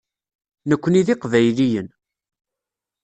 Nekkni d Iqbayliyen.